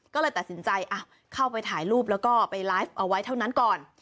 ก็เลยตัดสินใจเข้าไปถ่ายรูปแล้วก็ไปไลฟ์เอาไว้เท่านั้นก่อน